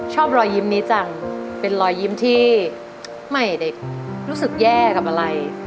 ชอบรอยยิ้มนี้จังเป็นรอยยิ้มที่ไม่เด็กรู้สึกแย่กับอะไร